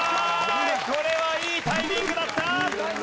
これはいいタイミングだった！